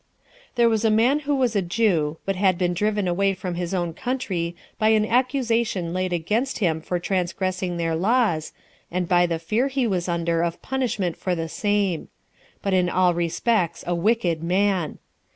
5. There was a man who was a Jew, but had been driven away from his own country by an accusation laid against him for transgressing their laws, and by the fear he was under of punishment for the same; but in all respects a wicked man.